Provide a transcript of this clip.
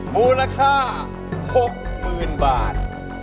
มูลค่า๖มือนบาท